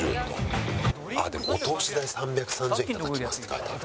でも「お通し代３３０円いただきます」って書いてある。